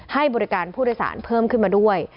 ให้บริการผู้โดยสารเพิ่มขึ้นมาด้วย